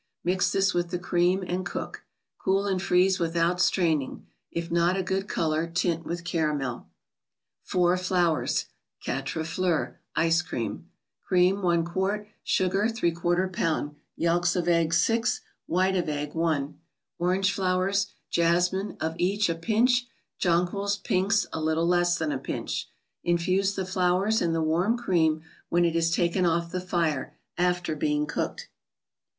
Mix this with the cream, and cook. Cool, and freeze without straining. If not a good color, tint with caramel. four flottery (0uatre*fleurj3) Cream, Cream, i qt.; Sugar, # lb.; Yelks of eggs, 6; White of egg, i; Orange flowers, Jasmine, of each a pinch ; Jonquils, Pinks, a little less than a pinch. Infuse the flowers in the warm cream, when it is taken off the fire, after being cooked.